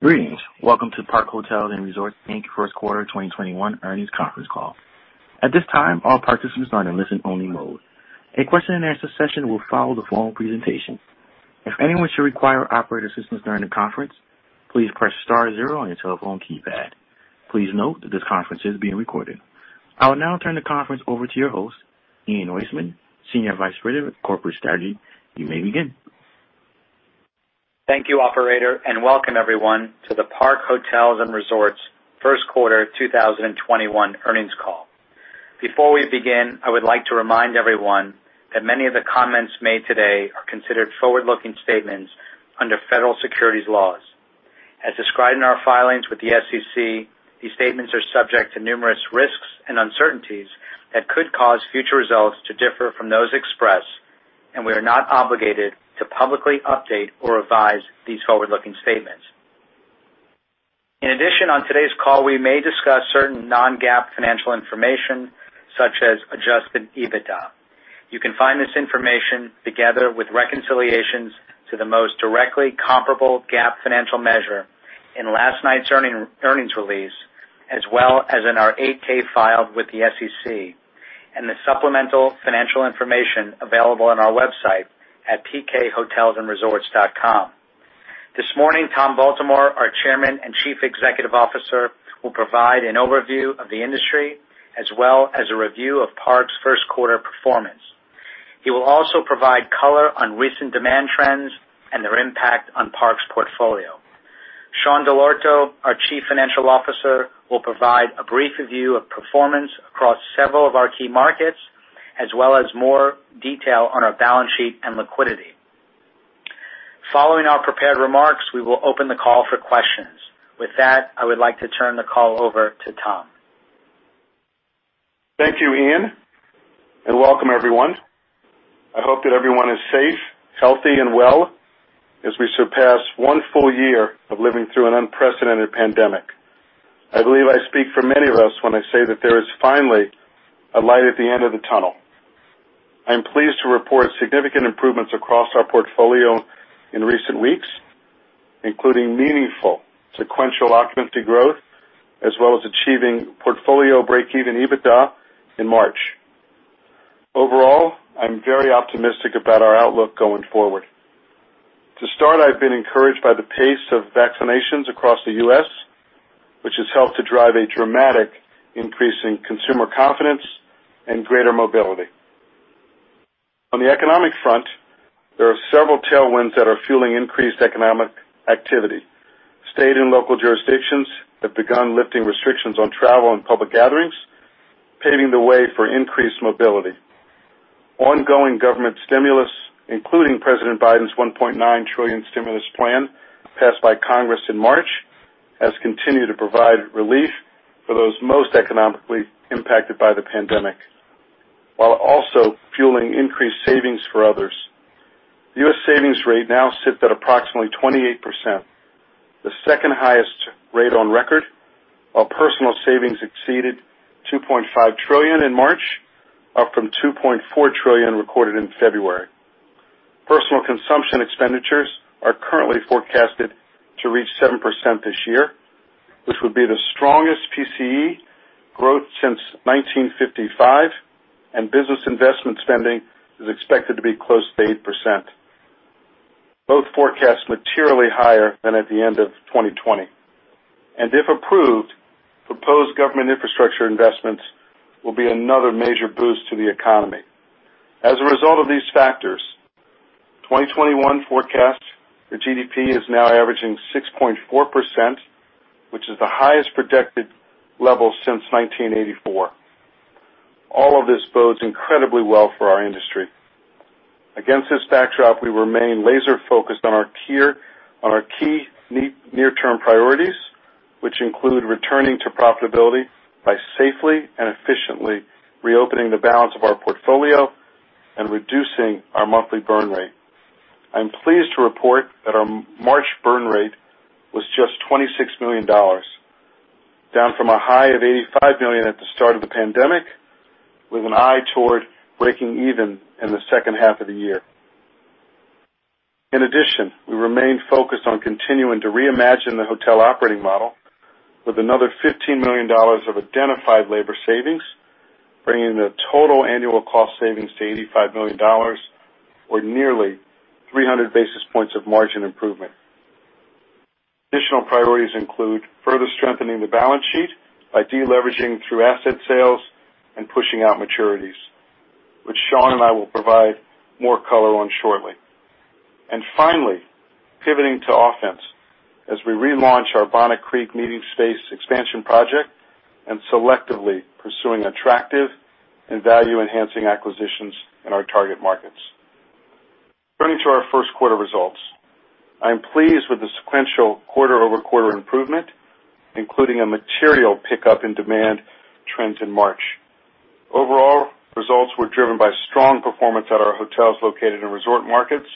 Greetings, welcome to Park Hotels & Resorts' first quarter 2021 earnings conference call. At this time, all participants are in listen only mode. A question and answer session will follow the formal presentation. If anyone should require operator assistance during the conference, please press star zero on your telephone keypad. Please note that this conference is being recorded. I will now turn the conference over to your host, Ian Weissman, Senior Vice President of Corporate Strategy. You may begin. Thank you, operator, welcome everyone to the Park Hotels & Resorts first quarter 2021 earnings call. Before we begin, I would like to remind everyone that many of the comments made today are considered forward-looking statements under federal securities laws. As described in our filings with the SEC, these statements are subject to numerous risks and uncertainties that could cause future results to differ from those expressed, we are not obligated to publicly update or revise these forward-looking statements. In addition, on today's call, we may discuss certain non-GAAP financial information such as adjusted EBITDA. You can find this information together with reconciliations to the most directly comparable GAAP financial measure in last night's earnings release, as well as in our 8-K filed with the SEC, the supplemental financial information available on our website at pkhotelsandresorts.com. This morning, Tom Baltimore, our Chairman and Chief Executive Officer, will provide an overview of the industry as well as a review of Park's first quarter performance. He will also provide color on recent demand trends and their impact on Park's portfolio. Sean Dell'Orto, our Chief Financial Officer, will provide a brief review of performance across several of our key markets, as well as more detail on our balance sheet and liquidity. Following our prepared remarks, we will open the call for questions. With that, I would like to turn the call over to Tom. Thank you, Ian, and welcome everyone. I hope that everyone is safe, healthy, and well as we surpass one full year of living through an unprecedented pandemic. I believe I speak for many of us when I say that there is finally a light at the end of the tunnel. I'm pleased to report significant improvements across our portfolio in recent weeks, including meaningful sequential occupancy growth, as well as achieving portfolio breakeven EBITDA in March. I'm very optimistic about our outlook going forward. To start, I've been encouraged by the pace of vaccinations across the U.S., which has helped to drive a dramatic increase in consumer confidence and greater mobility. On the economic front, there are several tailwinds that are fueling increased economic activity. State and local jurisdictions have begun lifting restrictions on travel and public gatherings, paving the way for increased mobility. Ongoing government stimulus, including President Biden's $1.9 trillion stimulus plan passed by Congress in March, has continued to provide relief for those most economically impacted by the pandemic, while also fueling increased savings for others. The U.S. savings rate now sits at approximately 28%, the second highest rate on record, while personal savings exceeded $2.5 trillion in March, up from $2.4 trillion recorded in February. Personal consumption expenditures are currently forecasted to reach 7% this year, which would be the strongest PCE growth since 1955. Business investment spending is expected to be close to 8%, both forecasts materially higher than at the end of 2020. If approved, proposed government infrastructure investments will be another major boost to the economy. As a result of these factors, 2021 forecast for GDP is now averaging 6.4%, which is the highest projected level since 1984. All of this bodes incredibly well for our industry. Against this backdrop, we remain laser-focused on our key near-term priorities, which include returning to profitability by safely and efficiently reopening the balance of our portfolio and reducing our monthly burn rate. I'm pleased to report that our March burn rate was just $26 million, down from a high of $85 million at the start of the pandemic, with an eye toward breaking even in the second half of the year. In addition, we remain focused on continuing to reimagine the hotel operating model with another $15 million of identified labor savings, bringing the total annual cost savings to $85 million, or nearly 300 basis points of margin improvement. Additional priorities include further strengthening the balance sheet by de-leveraging through asset sales and pushing out maturities, which Sean and I will provide more color on shortly. Finally, pivoting to offense as we relaunch our Bonnet Creek meeting space expansion project and selectively pursuing attractive and value-enhancing acquisitions in our target markets. Turning to our first quarter results. I am pleased with the sequential quarter-over-quarter improvement, including a material pickup in demand trends in March. Overall, results were driven by strong performance at our hotels located in resort markets,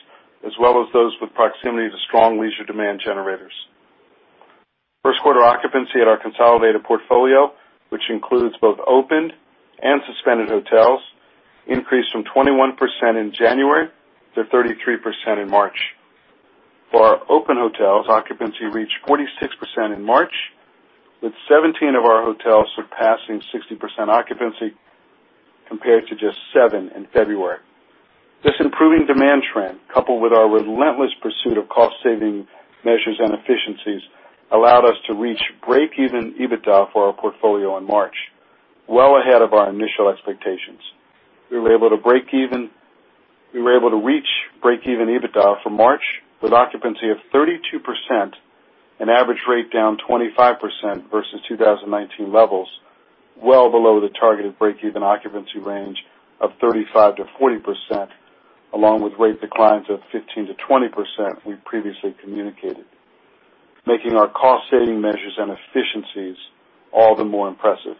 as well as those with proximity to strong leisure demand generators. Occupancy at our consolidated portfolio, which includes both opened and suspended hotels, increased from 21% in January to 33% in March. For our open hotels, occupancy reached 46% in March, with 17 of our hotels surpassing 60% occupancy compared to just seven in February. This improving demand trend, coupled with our relentless pursuit of cost-saving measures and efficiencies, allowed us to reach break-even EBITDA for our portfolio in March, well ahead of our initial expectations. We were able to reach break-even EBITDA for March with occupancy of 32%, an average rate down 25% versus 2019 levels, well below the targeted break-even occupancy range of 35%-40%, along with rate declines of 15%-20% we previously communicated, making our cost-saving measures and efficiencies all the more impressive.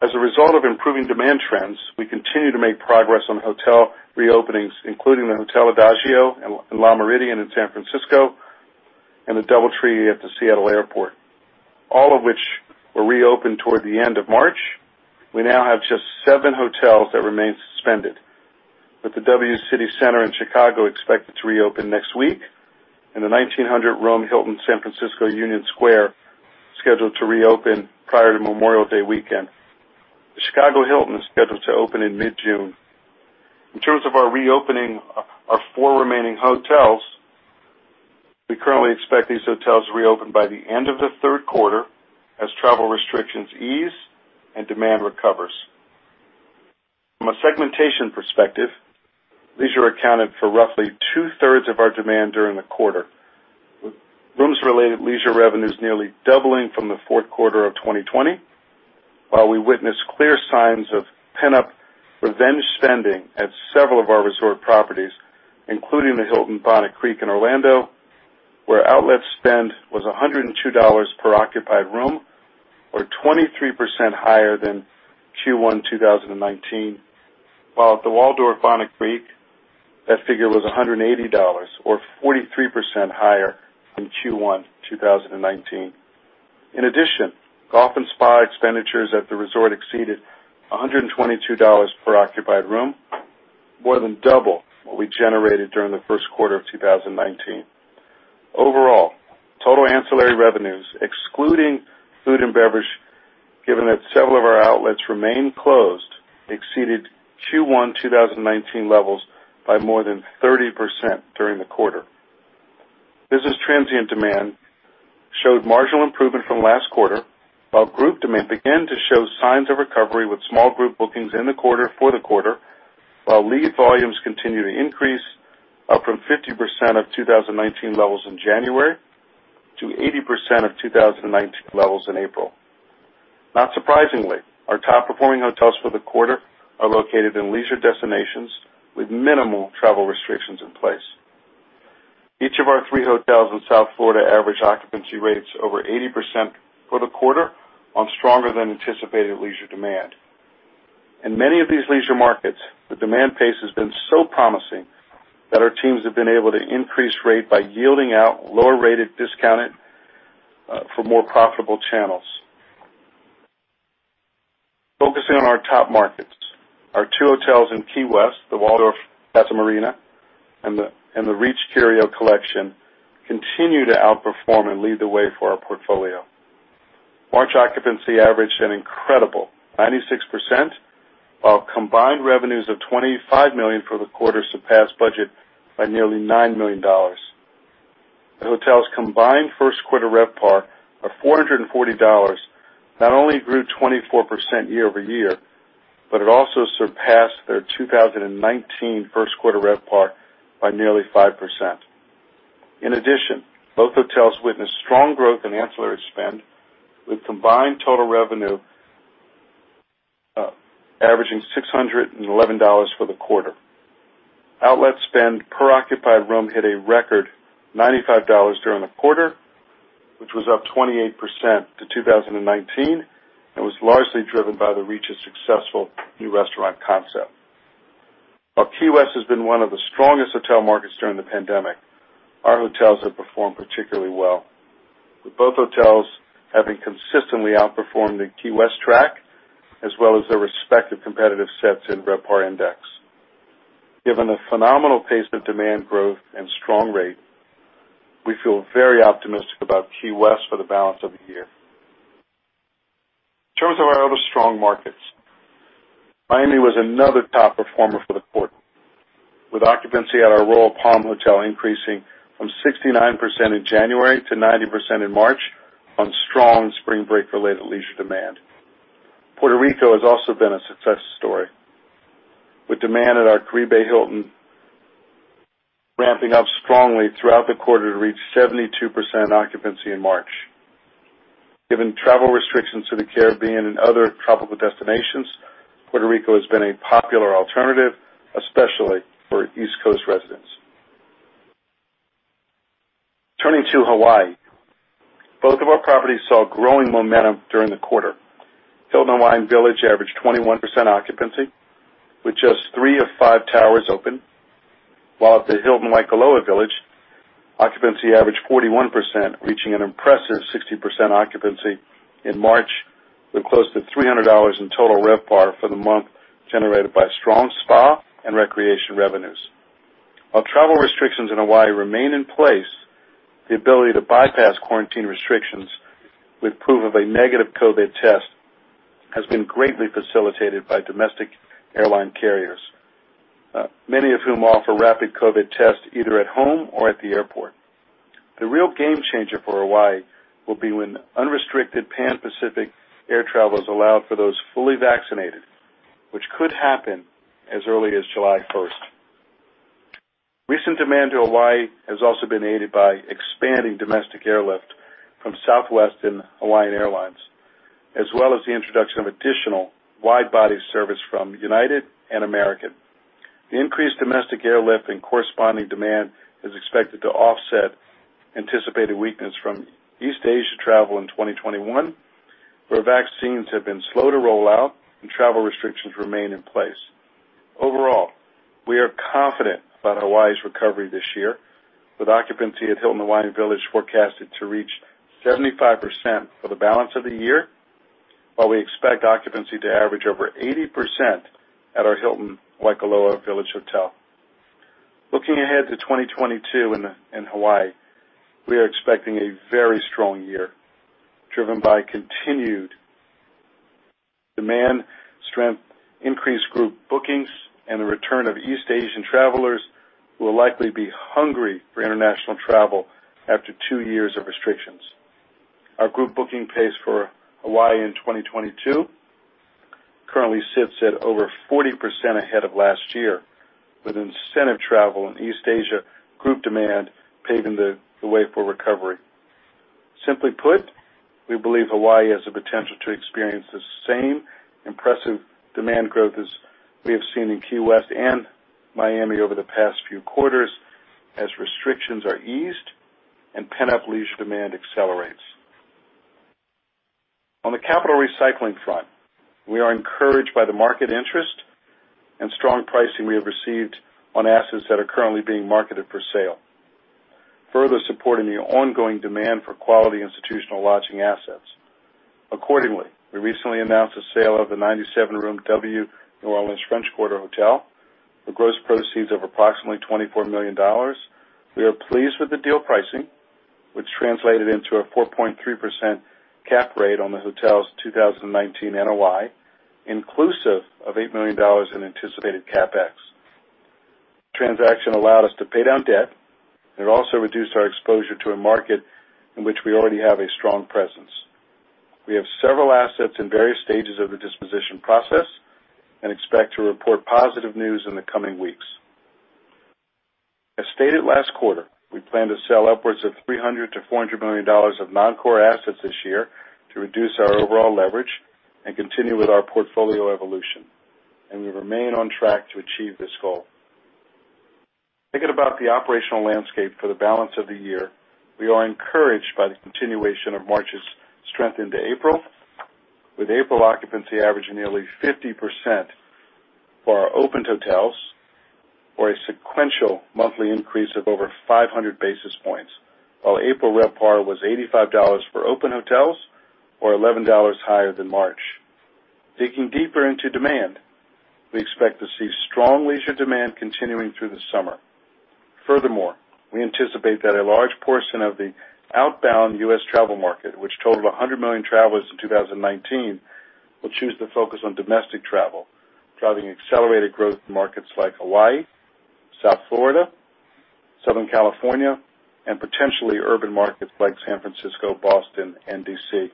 As a result of improving demand trends, we continue to make progress on hotel reopenings, including the Hotel Adagio and Le Méridien in San Francisco, and the DoubleTree at the Seattle Airport, all of which were reopened toward the end of March. We now have just seven hotels that remain suspended. With the W City Center in Chicago expected to reopen next week, and the Hilton San Francisco Union Square scheduled to reopen prior to Memorial Day weekend. The Chicago Hilton is scheduled to open in mid-June. In terms of our reopening our four remaining hotels, we currently expect these hotels to reopen by the end of the third quarter as travel restrictions ease and demand recovers. From a segmentation perspective, leisure accounted for roughly two-thirds of our demand during the quarter, with rooms related leisure revenues nearly doubling from the fourth quarter of 2020. While we witnessed clear signs of pent-up revenge spending at several of our resort properties, including the Signia by Hilton Orlando Bonnet Creek in Orlando, where outlet spend was $102 per occupied room, or 23% higher than Q1 2019. While at the Waldorf Bonnet Creek, that figure was $180, or 43% higher than Q1 2019. In addition, golf and spa expenditures at the resort exceeded $122 per occupied room, more than double what we generated during the first quarter of 2019. Overall, total ancillary revenues, excluding food and beverage, given that several of our outlets remain closed, exceeded Q1 2019 levels by more than 30% during the quarter. Business transient demand showed marginal improvement from last quarter, while group demand began to show signs of recovery with small group bookings in the quarter for the quarter. While lead volumes continue to increase up from 50% of 2019 levels in January to 80% of 2019 levels in April. Not surprisingly, our top-performing hotels for the quarter are located in leisure destinations with minimal travel restrictions in place. Each of our three hotels in South Florida average occupancy rates over 80% for the quarter on stronger than anticipated leisure demand. In many of these leisure markets, the demand pace has been so promising that our teams have been able to increase rate by yielding out lower rated discounted for more profitable channels. Focusing on our top markets, our two hotels in Key West, the Waldorf Casa Marina and The Reach Curio Collection, continue to outperform and lead the way for our portfolio. March occupancy averaged an incredible 96%, while combined revenues of $25 million for the quarter surpassed budget by nearly $9 million. The hotels' combined first quarter RevPAR of $440 not only grew 24% year-over-year, but it also surpassed their 2019 first quarter RevPAR by nearly 5%. In addition, both hotels witnessed strong growth in ancillary spend, with combined total revenue averaging $611 for the quarter. Outlet spend per occupied room hit a record $95 during the quarter, which was up 28% to 2019, and was largely driven by The Reach's successful new restaurant concept. While Key West has been one of the strongest hotel markets during the pandemic, our hotels have performed particularly well, with both hotels having consistently outperformed the Key West tract, as well as their respective competitive sets in RevPAR index. Given the phenomenal pace of demand growth and strong rate, we feel very optimistic about Key West for the balance of the year. In terms of our other strong markets, Miami was another top performer for the quarter, with occupancy at our Royal Palm hotel increasing from 69% in January to 90% in March on strong spring break-related leisure demand. Puerto Rico has also been a success story, with demand at our Caribe Hilton ramping up strongly throughout the quarter to reach 72% occupancy in March. Given travel restrictions to the Caribbean and other tropical destinations, Puerto Rico has been a popular alternative, especially for East Coast residents. Turning to Hawaii, both of our properties saw growing momentum during the quarter. Hilton Hawaiian Village averaged 21% occupancy, with just three of five towers open. While at the Hilton Waikoloa Village, occupancy averaged 41%, reaching an impressive 60% occupancy in March, with close to $300 in total RevPAR for the month generated by strong spa and recreation revenues. While travel restrictions in Hawaii remain in place, the ability to bypass quarantine restrictions with proof of a negative COVID test has been greatly facilitated by domestic airline carriers, many of whom offer rapid COVID tests either at home or at the airport. The real game changer for Hawaii will be when unrestricted Pan-Pacific air travel is allowed for those fully vaccinated, which could happen as early as July 1st. Recent demand to Hawaii has also been aided by expanding domestic airlift from Southwest and Hawaiian Airlines, as well as the introduction of additional wide-body service from United and American. The increased domestic airlift and corresponding demand is expected to offset anticipated weakness from East Asia travel in 2021, where vaccines have been slow to roll out and travel restrictions remain in place. Overall, we are confident about Hawaii's recovery this year, with occupancy at Hilton Hawaiian Village forecasted to reach 75% for the balance of the year, while we expect occupancy to average over 80% at our Hilton Waikoloa Village hotel. Looking ahead to 2022 in Hawaii, we are expecting a very strong year driven by continued demand strength, increased group bookings, and the return of East Asian travelers, who will likely be hungry for international travel after two years of restrictions. Our group booking pace for Hawaii in 2022 currently sits at over 40% ahead of last year, with incentive travel in East Asia group demand paving the way for recovery. Simply put, we believe Hawaii has the potential to experience the same impressive demand growth as we have seen in Key West and Miami over the past few quarters, as restrictions are eased and pent-up leisure demand accelerates. On the capital recycling front, we are encouraged by the market interest and strong pricing we have received on assets that are currently being marketed for sale, further supporting the ongoing demand for quality institutional lodging assets. Accordingly, we recently announced the sale of the 97-room W New Orleans - French Quarter hotel for gross proceeds of approximately $24 million. We are pleased with the deal pricing, which translated into a 4.3% cap rate on the hotel's 2019 NOI, inclusive of $8 million in anticipated CapEx. The transaction allowed us to pay down debt, and it also reduced our exposure to a market in which we already have a strong presence. We have several assets in various stages of the disposition process and expect to report positive news in the coming weeks. As stated last quarter, we plan to sell upwards of $300 million-$400 million of non-core assets this year to reduce our overall leverage and continue with our portfolio evolution, and we remain on track to achieve this goal. Thinking about the operational landscape for the balance of the year, we are encouraged by the continuation of March's strength into April, with April occupancy averaging nearly 50% for our opened hotels or a sequential monthly increase of over 500 basis points, while April RevPAR was $85 for open hotels or $11 higher than March. Digging deeper into demand, we expect to see strong leisure demand continuing through the summer. Furthermore, we anticipate that a large portion of the outbound U.S. travel market, which totaled 100 million travelers in 2019, will choose to focus on domestic travel, driving accelerated growth markets like Hawaii, South Florida, Southern California, and potentially urban markets like San Francisco, Boston, and D.C.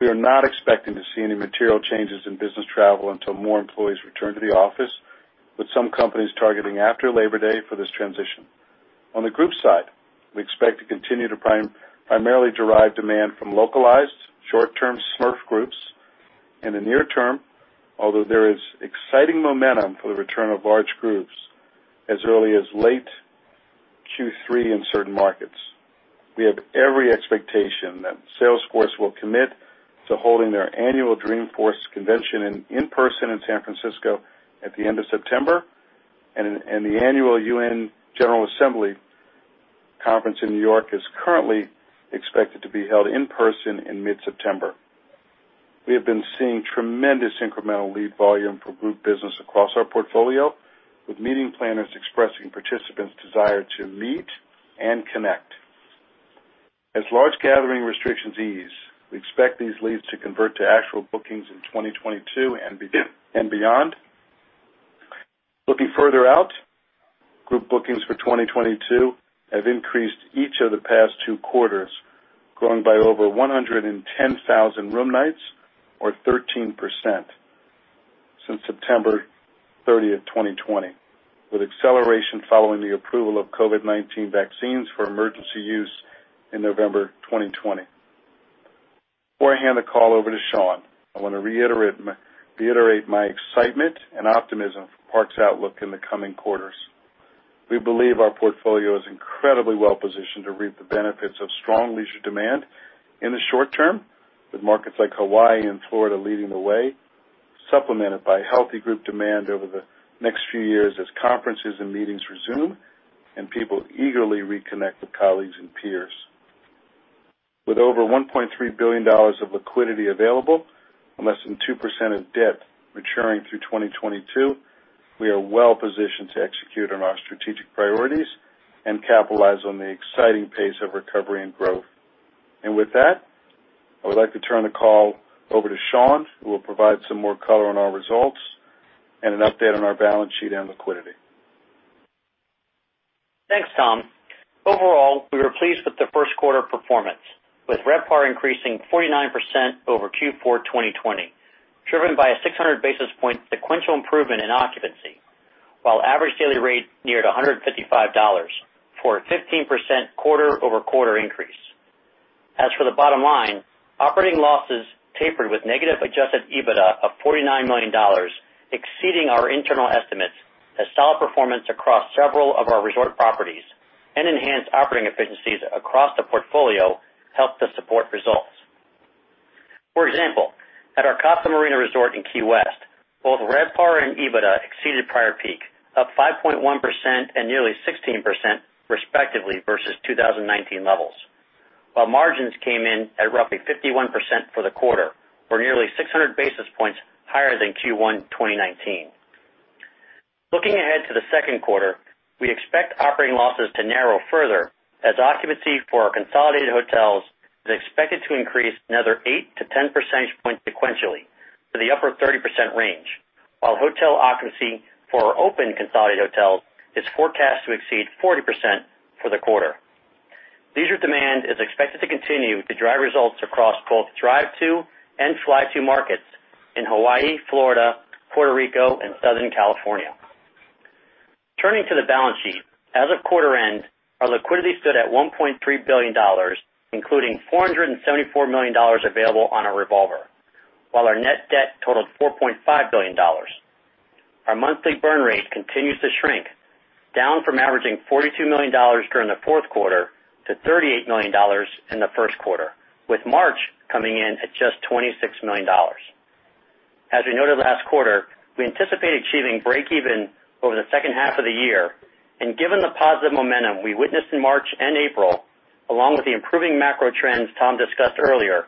We are not expecting to see any material changes in business travel until more employees return to the office, with some companies targeting after Labor Day for this transition. On the group side, we expect to continue to primarily derive demand from localized short-term SMERF groups in the near term, although there is exciting momentum for the return of large groups as early as late Q3 in certain markets. We have every expectation that Salesforce will commit to holding their annual Dreamforce convention in person in San Francisco at the end of September. The annual UN General Assembly conference in New York is currently expected to be held in person in mid-September. We have been seeing tremendous incremental lead volume for group business across our portfolio, with meeting planners expressing participants' desire to meet and connect. As large gathering restrictions ease, we expect these leads to convert to actual bookings in 2022 and beyond. Looking further out, group bookings for 2022 have increased each of the past two quarters, growing by over 110,000 room nights or 13% since September 30th, 2020, with acceleration following the approval of COVID-19 vaccines for emergency use in November 2020. Before I hand the call over to Sean, I want to reiterate my excitement and optimism for Park's outlook in the coming quarters. We believe our portfolio is incredibly well-positioned to reap the benefits of strong leisure demand in the short term With markets like Hawaii and Florida leading the way, supplemented by healthy group demand over the next few years as conferences and meetings resume, and people eagerly reconnect with colleagues and peers. With over $1.3 billion of liquidity available and less than 2% of debt maturing through 2022, we are well-positioned to execute on our strategic priorities and capitalize on the exciting pace of recovery and growth. With that, I would like to turn the call over to Sean, who will provide some more color on our results and an update on our balance sheet and liquidity. Thanks, Tom. Overall, we are pleased with the first quarter performance, with RevPAR increasing 49% over Q4 2020, driven by a 600-basis point sequential improvement in occupancy, while average daily rate neared $155 for a 15% quarter-over-quarter increase. As for the bottom line, operating losses tapered with negative adjusted EBITDA of $49 million, exceeding our internal estimates as solid performance across several of our resort properties and enhanced operating efficiencies across the portfolio helped to support results. For example, at our Casa Marina Resort in Key West, both RevPAR and EBITDA exceeded prior peak, up 5.1% and nearly 16%, respectively, versus 2019 levels, while margins came in at roughly 51% for the quarter, or nearly 600 basis points higher than Q1 2019. Looking ahead to the second quarter, we expect operating losses to narrow further as occupancy for our consolidated hotels is expected to increase another eight to 10 percentage points sequentially to the upper 30% range, while hotel occupancy for our open consolidated hotels is forecast to exceed 40% for the quarter. Leisure demand is expected to continue to drive results across both drive-to and fly-to markets in Hawaii, Florida, Puerto Rico, and Southern California. Turning to the balance sheet. As of quarter end, our liquidity stood at $1.3 billion, including $474 million available on our revolver, while our net debt totaled $4.5 billion. Our monthly burn rate continues to shrink, down from averaging $42 million during the fourth quarter to $38 million in the first quarter, with March coming in at just $26 million. As we noted last quarter, we anticipate achieving breakeven over the second half of the year, and given the positive momentum we witnessed in March and April, along with the improving macro trends Tom discussed earlier,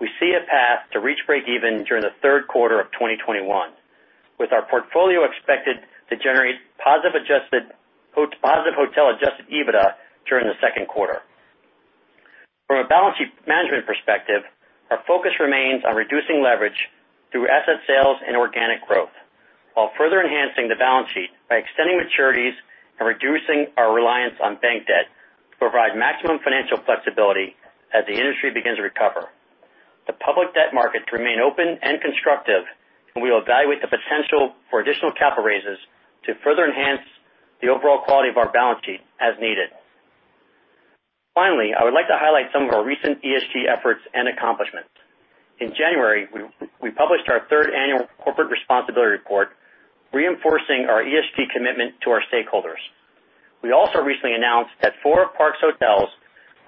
we see a path to reach breakeven during the third quarter of 2021, with our portfolio expected to generate positive hotel adjusted EBITDA during the second quarter. From a balance sheet management perspective, our focus remains on reducing leverage through asset sales and organic growth, while further enhancing the balance sheet by extending maturities and reducing our reliance on bank debt to provide maximum financial flexibility as the industry begins to recover. The public debt markets remain open and constructive, and we will evaluate the potential for additional capital raises to further enhance the overall quality of our balance sheet as needed. Finally, I would like to highlight some of our recent ESG efforts and accomplishments. In January, we published our third annual corporate responsibility report, reinforcing our ESG commitment to our stakeholders. We also recently announced that four of Park's hotels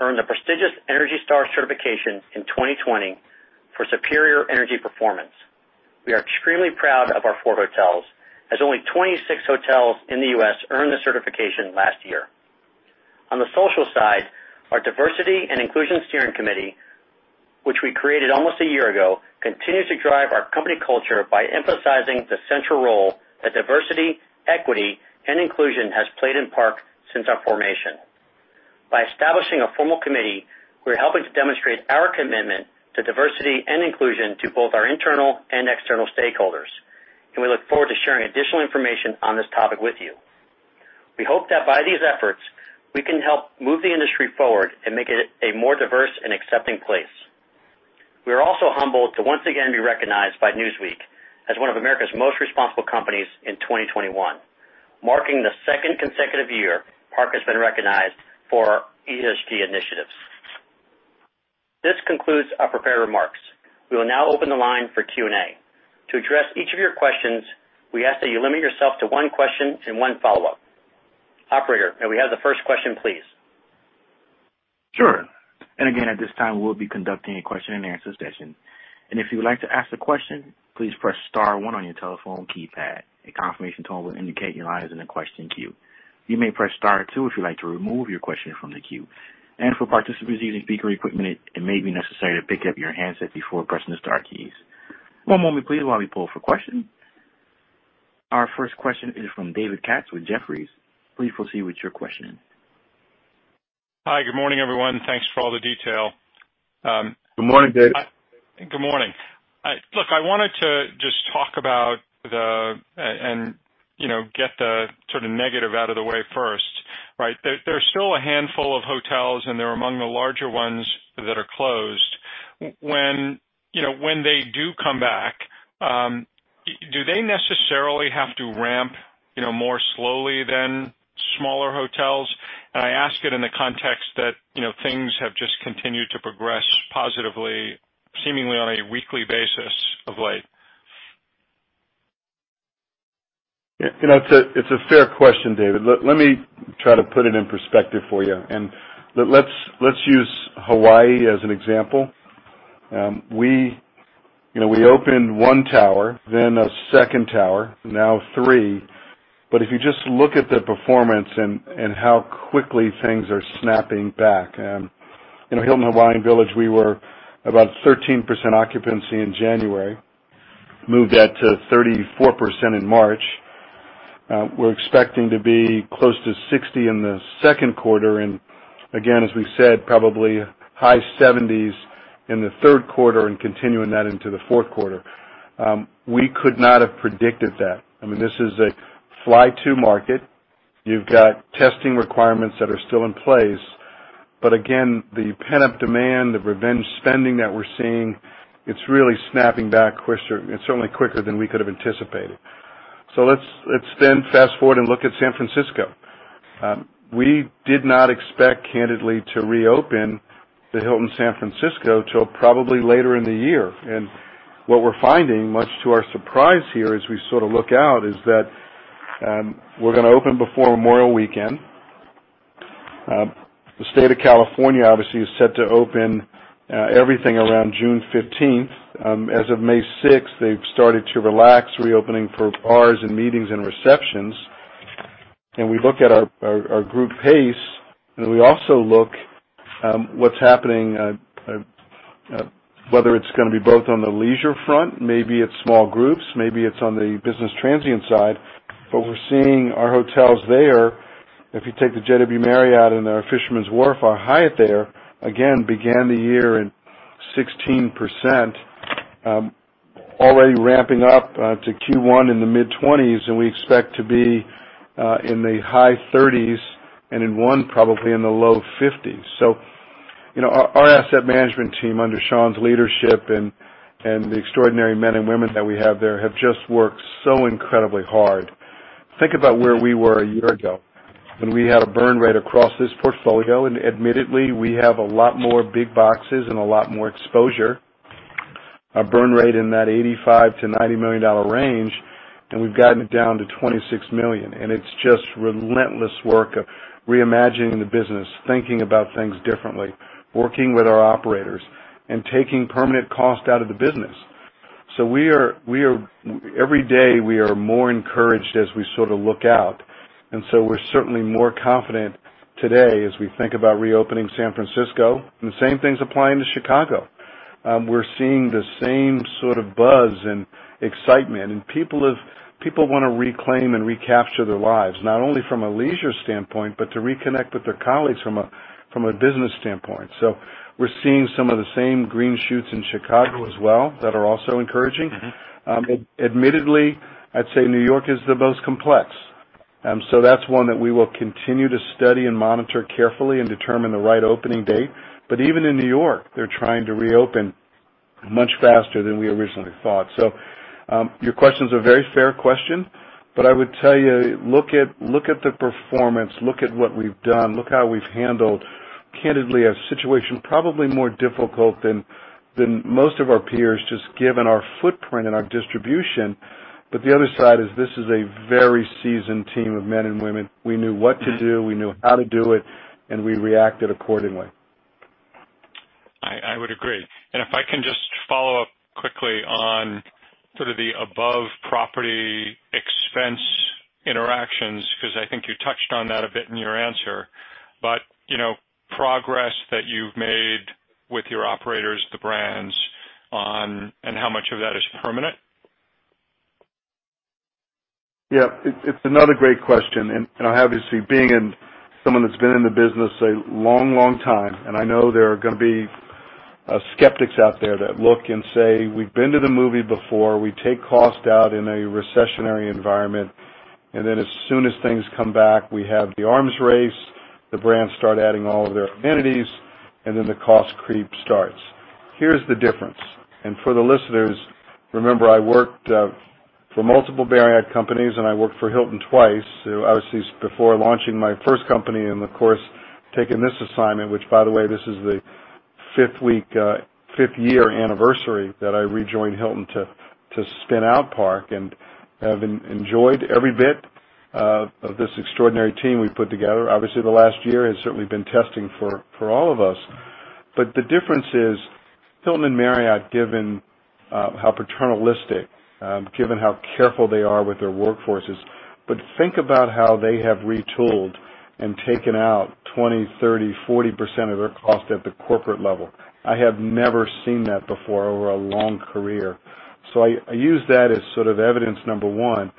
earned the prestigious ENERGY STAR certification in 2020 for superior energy performance. We are extremely proud of our four hotels, as only 26 hotels in the U.S. earned this certification last year. On the social side, our diversity and inclusion steering committee, which we created almost a year ago, continues to drive our company culture by emphasizing the central role that diversity, equity, and inclusion has played in Park since our formation. By establishing a formal committee, we are helping to demonstrate our commitment to diversity and inclusion to both our internal and external stakeholders, and we look forward to sharing additional information on this topic with you. We hope that by these efforts, we can help move the industry forward and make it a more diverse and accepting place. We are also humbled to once again be recognized by Newsweek as one of America's Most Responsible Companies in 2021, marking the second consecutive year Park has been recognized for our ESG initiatives. This concludes our prepared remarks. We will now open the line for Q&A. To address each of your questions, we ask that you limit yourself to one question and one follow-up. Operator, may we have the first question, please? Sure. Again, at this time, we'll be conducting a question and answer session. If you'd like to ask a question, please press star one on your telephone keypad. A confirmation tone will indicate your line is in the question queue. You may press star two if you'd like to remove your question from the queue. For participants using speaker equipment, it may be necessary to pick up your handset before pressing the star keys. One moment please while we pull for question. Our first question is from David Katz with Jefferies. Please proceed with your question. Hi, good morning, everyone. Thanks for all the detail. Good morning, Dave. Good morning. Look, I wanted to just talk about and get the negative out of the way first, right? There's still a handful of hotels, and they're among the larger ones that are closed. When they do come back, do they necessarily have to ramp more slowly than smaller hotels? I ask it in the context that things have just continued to progress positively, seemingly on a weekly basis of late. It's a fair question, David. Let me try to put it in perspective for you, and let's use Hawaii as an example. We opened one tower, then a second tower, now three. If you just look at the performance and how quickly things are snapping back. In Hilton Hawaiian Village, we were about 13% occupancy in January, moved that to 34% in March. We're expecting to be close to 60 in the second quarter. Again, as we said, probably high 70s in the third quarter and continuing that into the fourth quarter. We could not have predicted that. This is a fly-to market. You've got testing requirements that are still in place. Again, the pent-up demand, the revenge spending that we're seeing, it's really snapping back quicker. It's certainly quicker than we could've anticipated. Let's then fast-forward and look at San Francisco. We did not expect, candidly, to reopen the Hilton San Francisco till probably later in the year. What we're finding, much to our surprise here as we look out, is that we're going to open before Memorial Weekend. The State of California, obviously, is set to open everything around June 15th. As of May 6th, they've started to relax reopening for bars and meetings and receptions. We look at our group pace, and we also look what's happening, whether it's going to be both on the leisure front, maybe it's small groups, maybe it's on the business transient side, but we're seeing our hotels there. If you take the JW Marriott and our Fisherman's Wharf, our Hyatt there, again, began the year in 16%, already ramping up to Q1 in the mid-20s, and we expect to be in the high 30s, and in one, probably in the low 50s. Our asset management team, under Sean's leadership and the extraordinary men and women that we have there, have just worked so incredibly hard. Think about where we were a year ago when we had a burn rate across this portfolio, and admittedly, we have a lot more big boxes and a lot more exposure. Our burn rate in that $85 million-$90 million range, and we've gotten it down to $26 million. It's just relentless work of reimagining the business, thinking about things differently, working with our operators, and taking permanent cost out of the business. Every day, we are more encouraged as we look out. We're certainly more confident today as we think about reopening San Francisco, and the same things applying to Chicago. We're seeing the same sort of buzz and excitement, and people want to reclaim and recapture their lives, not only from a leisure standpoint, but to reconnect with their colleagues from a business standpoint. We're seeing some of the same green shoots in Chicago as well that are also encouraging. Admittedly, I'd say New York is the most complex. That's one that we will continue to study and monitor carefully and determine the right opening date. Even in New York, they're trying to reopen much faster than we originally thought. Your question's a very fair question, but I would tell you, look at the performance, look at what we've done, look how we've handled, candidly, a situation probably more difficult than most of our peers, just given our footprint and our distribution. The other side is this is a very seasoned team of men and women. We knew what to do, we knew how to do it, and we reacted accordingly. I would agree. If I can just follow up quickly on sort of the above property expense interactions, because I think you touched on that a bit in your answer. Progress that you've made with your operators, the brands on, and how much of that is permanent? Yeah. It's another great question. Obviously, being someone that's been in the business a long time, I know there are going to be skeptics out there that look and say, "We've been to the movie before. We take cost out in a recessionary environment, and then as soon as things come back, we have the arms race, the brands start adding all of their amenities, and then the cost creep starts." Here's the difference. For the listeners, remember I worked for multiple Marriott companies, and I worked for Hilton twice. Obviously, before launching my first company and of course, taking this assignment, which by the way, this is the fifth year anniversary that I rejoined Hilton to spin out Park, and have enjoyed every bit of this extraordinary team we've put together. Obviously, the last year has certainly been testing for all of us. The difference is Hilton and Marriott, given how paternalistic, given how careful they are with their workforces. Think about how they have retooled and taken out 20%, 30%, 40% of their cost at the corporate level. I have never seen that before over a long career. I use that as sort of evidence number one.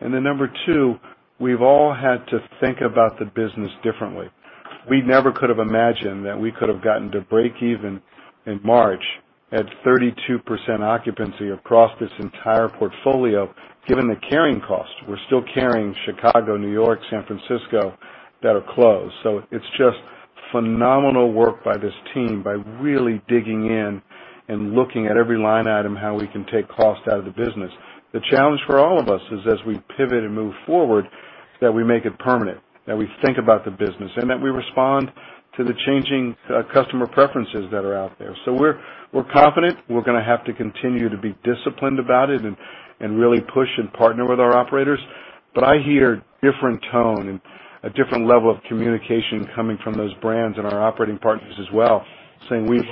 Then number two, we've all had to think about the business differently. We never could have imagined that we could have gotten to break even in March at 32% occupancy across this entire portfolio, given the carrying cost. We're still carrying Chicago, New York, San Francisco that are closed. It's just phenomenal work by this team by really digging in and looking at every line item how we can take cost out of the business. The challenge for all of us is as we pivot and move forward. That we make it permanent, that we think about the business, and that we respond to the changing customer preferences that are out there. We're confident. We're going to have to continue to be disciplined about it and really push and partner with our operators. I hear a different tone and a different level of communication coming from those brands and our operating partners as well, saying we've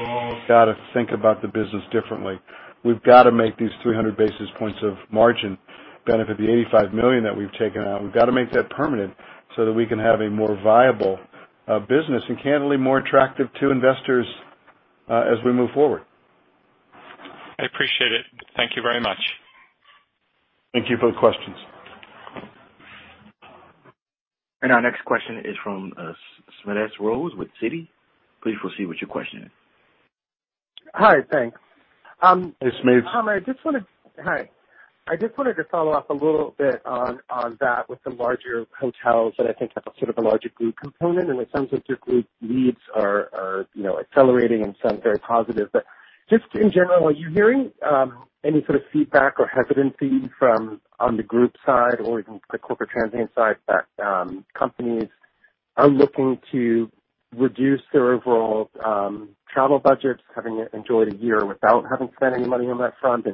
got to think about the business differently. We've got to make these 300 basis points of margin benefit, the $85 million that we've taken out, we've got to make that permanent so that we can have a more viable business, and candidly, more attractive to investors as we move forward. I appreciate it. Thank you very much. Thank you for the questions. Our next question is from Smedes Rose with Citi. Please proceed with your question. Hi, thanks. Hey, Smedes. Tom, hi. I just wanted to follow up a little bit on that with the larger hotels that I think have a larger group component, and it sounds like your group needs are accelerating and sound very positive. Just in general, are you hearing any sort of feedback or hesitancy on the group side or even the corporate transient side, that companies are looking to reduce their overall travel budgets, having enjoyed a year without having spent any money on that front?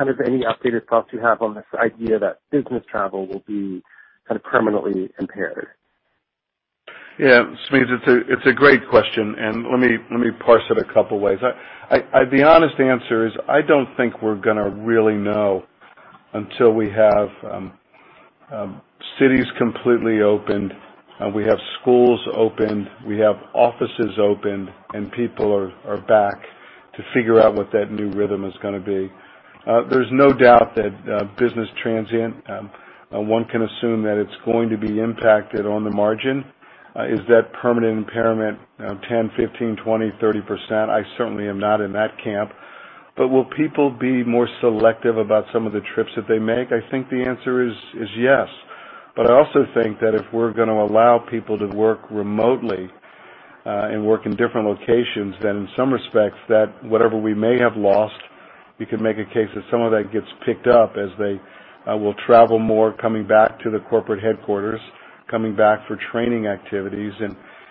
Any updated thoughts you have on this idea that business travel will be permanently impaired? Yeah, Smedes, it's a great question. Let me parse it a couple ways. The honest answer is, I don't think we're going to really know until we have cities completely opened, we have schools opened, we have offices opened, and people are back to figure out what that new rhythm is going to be. There's no doubt that business transient, one can assume that it's going to be impacted on the margin. Is that permanent impairment 10%, 15%, 20%, 30%? I certainly am not in that camp. Will people be more selective about some of the trips that they make? I think the answer is yes. I also think that if we're going to allow people to work remotely and work in different locations, then in some respects, that whatever we may have lost, you could make a case that some of that gets picked up as they will travel more, coming back to the corporate headquarters, coming back for training activities.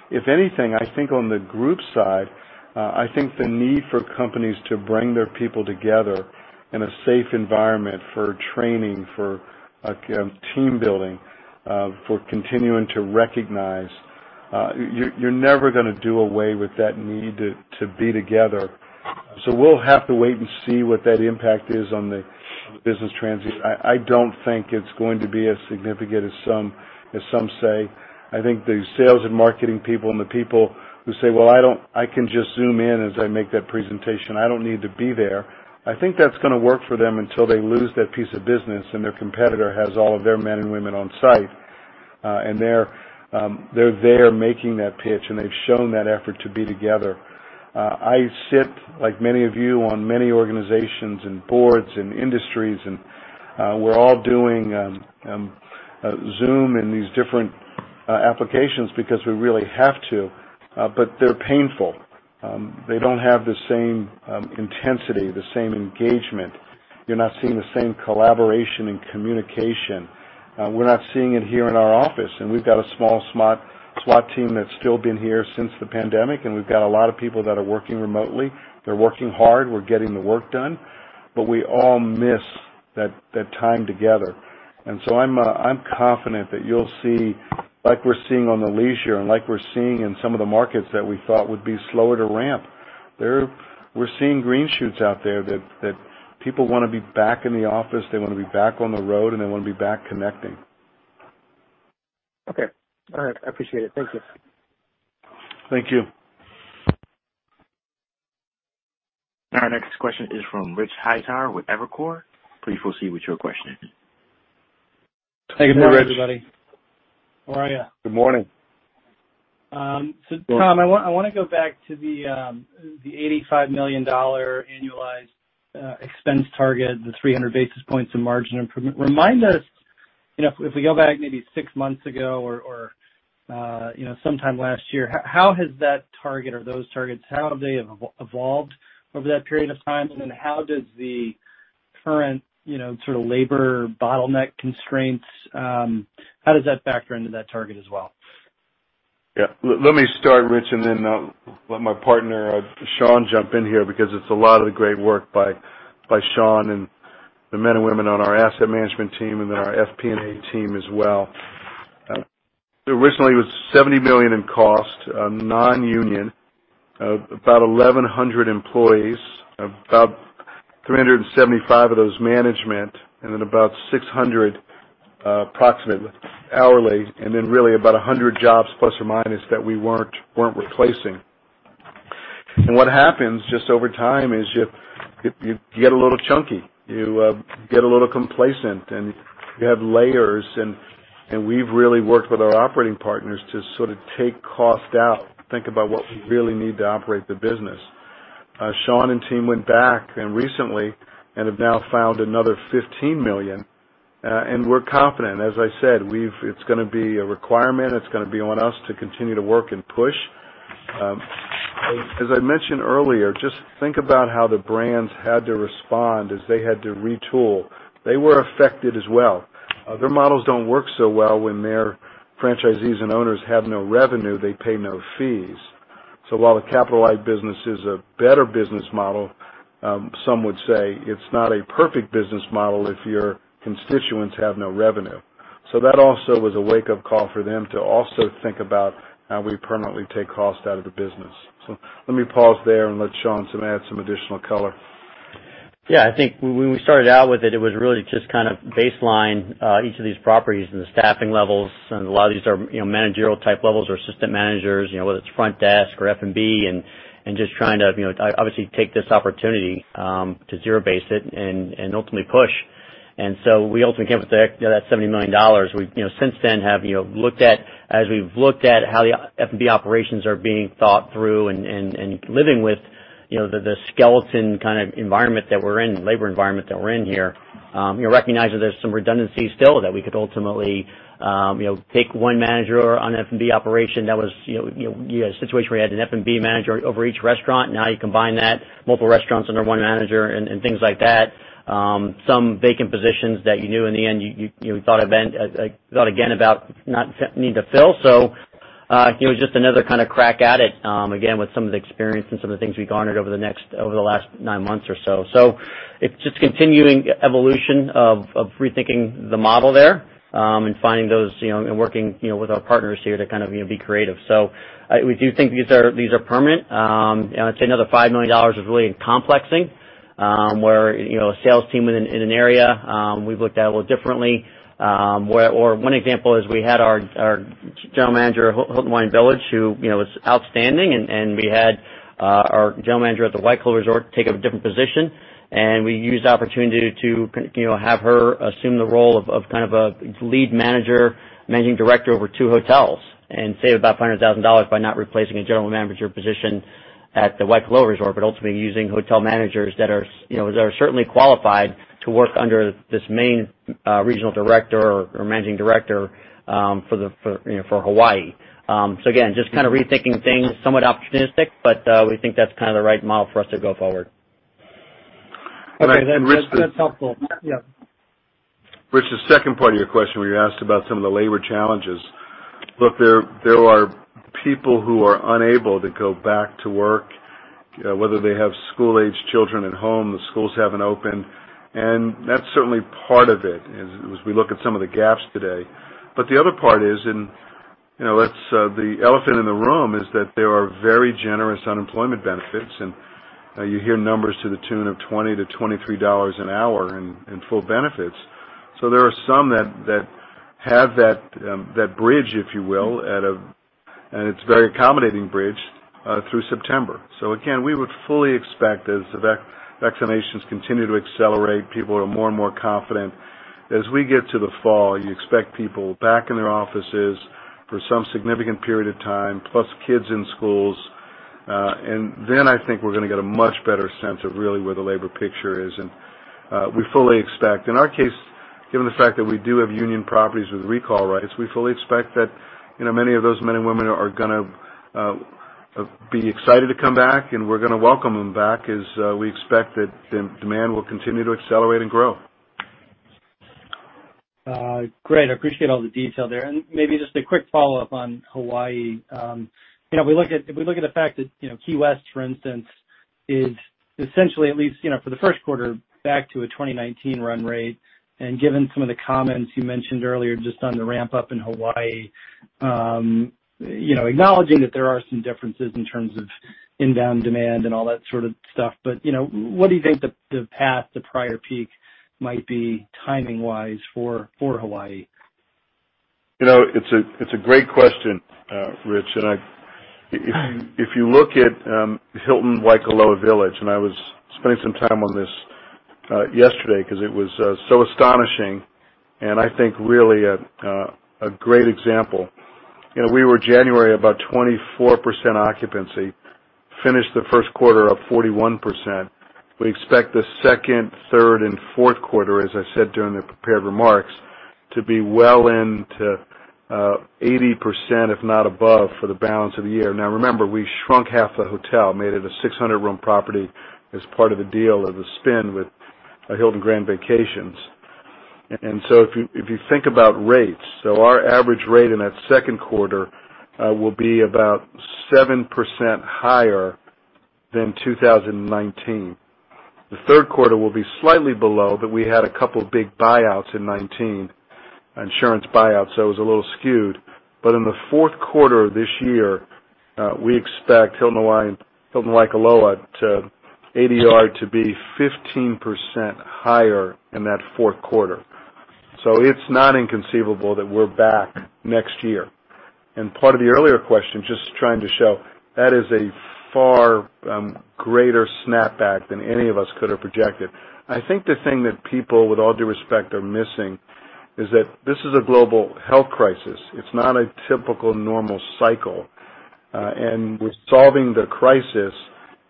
If anything, I think on the group side, the need for companies to bring their people together in a safe environment for training, for team building, for continuing to recognize. You're never going to do away with that need to be together. We'll have to wait and see what that impact is on the business transient. I don't think it's going to be as significant as some say. I think the sales and marketing people and the people who say, "Well, I can just Zoom in as I make that presentation. I don't need to be there." I think that's going to work for them until they lose that piece of business, and their competitor has all of their men and women on site, and they're there making that pitch, and they've shown that effort to be together. I sit, like many of you, on many organizations and boards and industries, and we're all doing Zoom and these different applications because we really have to. They're painful. They don't have the same intensity, the same engagement. You're not seeing the same collaboration and communication. We're not seeing it here in our office, and we've got a small slot team that's still been here since the pandemic, and we've got a lot of people that are working remotely. They're working hard. We're getting the work done. We all miss that time together. I'm confident that you'll see, like we're seeing on the leisure and like we're seeing in some of the markets that we thought would be slower to ramp, we're seeing green shoots out there that people want to be back in the office, they want to be back on the road, and they want to be back connecting. Okay. All right. I appreciate it. Thank you. Thank you. Our next question is from Rich Hightower with Evercore. Please proceed with your question. Hey, good morning, everybody. How are you? Good morning. Tom, I want to go back to the $85 million annualized expense target, the 300 basis points of margin improvement. Remind us, if we go back maybe six months ago or sometime last year, how has that target or those targets, how have they evolved over that period of time? How does the current labor bottleneck constraints, how does that factor into that target as well? Yeah. Let me start, Rich, and then I'll let my partner, Sean, jump in here because it's a lot of the great work by Sean and the men and women on our asset management team and then our FP&A team as well. Originally, it was $70 million in cost, non-union, about 1,100 employees, about 375 of those management, and then about 600 approximate hourly, and then really about 100 jobs, plus or minus, that we weren't replacing. What happens just over time is you get a little chunky. You get a little complacent, and you have layers. We've really worked with our operating partners to take cost out, think about what we really need to operate the business. Sean and team went back recently and have now found another $15 million, and we're confident. As I said, it's going to be a requirement. It's going to be on us to continue to work and push. As I mentioned earlier, just think about how the brands had to respond as they had to retool. They were affected as well. Their models don't work so well when their franchisees and owners have no revenue, they pay no fees. While the capital light business is a better business model, some would say it's not a perfect business model if your constituents have no revenue. That also was a wake-up call for them to also think about how we permanently take cost out of the business. Let me pause there and let Sean add some additional color. Yeah, I think when we started out with it was really just baseline each of these properties and the staffing levels, and a lot of these are managerial type levels or assistant managers, whether it's front desk or F&B and just trying to obviously take this opportunity, to zero-base it and ultimately push. We ultimately came up with that $70 million. We've since then have looked at, as we've looked at how the F&B operations are being thought through and living with the skeleton kind of environment that we're in, labor environment that we're in here, recognizing there's some redundancy still that we could ultimately take one manager on an F&B operation that was a situation where you had an F&B manager over each restaurant. You combine that, multiple restaurants under one manager and things like that. Some vacant positions that you knew in the end, you thought again about not need to fill. It was just another crack at it, again, with some of the experience and some of the things we garnered over the last nine months or so. It's just continuing evolution of rethinking the model there, and finding those, and working with our partners here to be creative. We do think these are permanent. I'd say another $5 million is really in complexing, where a sales team in an area, we've looked at a little differently. One example is we had our General Manager of Hilton Hawaiian Village, who was outstanding, and we had our General Manager at the Waikoloa Resort take up a different position. We used the opportunity to have her assume the role of a lead manager, Managing Director over two hotels and save about $500,000 by not replacing a general manager position at the Waikoloa Resort, but ultimately using hotel managers that are certainly qualified to work under this main regional director or Managing Director for Hawaii. Again, just rethinking things somewhat opportunistic, but we think that's the right model for us to go forward. Okay. That's helpful. Yeah. Rich, the second part of your question where you asked about some of the labor challenges. Look, there are people who are unable to go back to work, whether they have school-aged children at home, the schools haven't opened, and that's certainly part of it as we look at some of the gaps today. The other part is, and that's the elephant in the room, is that there are very generous unemployment benefits, and you hear numbers to the tune of $20 to $23 an hour in full benefits. There are some that have that bridge, if you will, and it's a very accommodating bridge, through September. Again, we would fully expect as the vaccinations continue to accelerate, people are more and more confident as we get to the fall, you expect people back in their offices for some significant period of time, plus kids in schools. I think we're going to get a much better sense of really where the labor picture is, and we fully expect. In our case, given the fact that we do have union properties with recall rights, we fully expect that many of those men and women are going to be excited to come back, and we're going to welcome them back as we expect that demand will continue to accelerate and grow. Great. I appreciate all the detail there. Maybe just a quick follow-up on Hawaii. If we look at the fact that Key West, for instance, is essentially at least, for the first quarter, back to a 2019 run rate, and given some of the comments you mentioned earlier just on the ramp-up in Hawaii, acknowledging that there are some differences in terms of inbound demand and all that sort of stuff, but what do you think the path to prior peak might be timing-wise for Hawaii? It's a great question, Rich. If you look at Hilton Waikoloa Village, I was spending some time on this yesterday because it was so astonishing and I think really a great example. We were January about 24% occupancy, finished the first quarter up 41%. We expect the second, third, and fourth quarter, as I said during the prepared remarks, to be well into 80%, if not above, for the balance of the year. Remember, we shrunk half the hotel, made it a 600-room property as part of the deal of the spin with Hilton Grand Vacations. If you think about rates, our average rate in that second quarter will be about 7% higher than 2019. The third quarter will be slightly below, we had a couple of big buyouts in 2019, insurance buyouts, that was a little skewed. In the fourth quarter of this year, we expect Hilton Waikoloa ADR to be 15% higher in that fourth quarter. It's not inconceivable that we're back next year. Part of the earlier question, just trying to show that is a far greater snapback than any of us could have projected. I think the thing that people, with all due respect, are missing is that this is a global health crisis. It's not a typical normal cycle. We're solving the crisis.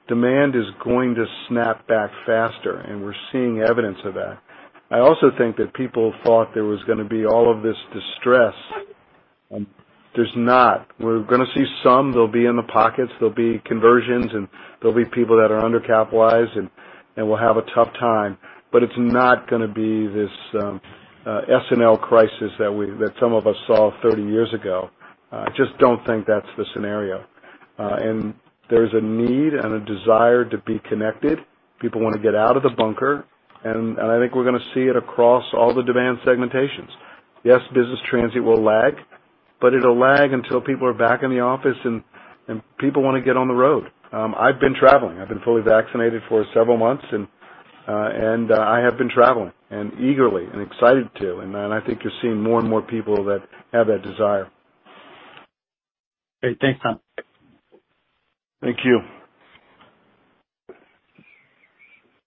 Demand is going to snap back faster, and we're seeing evidence of that. I also think that people thought there was going to be all of this distress. There's not. We're going to see some, there'll be in the pockets, there'll be conversions and there'll be people that are under-capitalized and will have a tough time. It's not going to be this S&L crisis that some of us saw 30 years ago. I just don't think that's the scenario. There's a need and a desire to be connected. People want to get out of the bunker, and I think we're going to see it across all the demand segmentations. Yes, business transient will lag, but it'll lag until people are back in the office and people want to get on the road. I've been traveling. I've been fully vaccinated for several months, and I have been traveling eagerly and excited to. I think you're seeing more and more people that have that desire. Great. Thanks, Tom. Thank you.